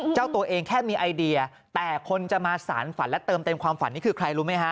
เจ้าตัวเองแค่มีไอเดียแต่คนจะมาสารฝันและเติมเต็มความฝันนี่คือใครรู้ไหมฮะ